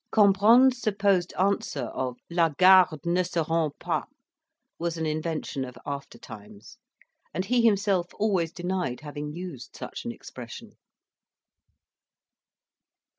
Cambronne's supposed answer of "La Garde ne se rend pas" was an invention of after times, and he himself always denied having used such an expression.